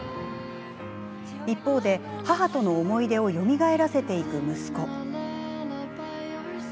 一方で、母との思い出をよみがえらせていく息子。